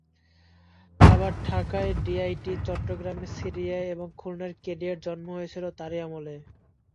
আবার ঢাকার ডিআইটি, চট্টগ্রামের সিডিএ এবং খুলনার কেডিএর জন্মও হয়েছিল তাঁরই আমলে।